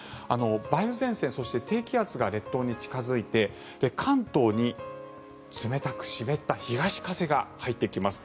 梅雨前線そして低気圧が列島に近付いて関東に冷たく湿った東風が入ってきます。